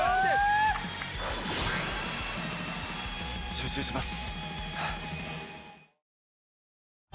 集中します。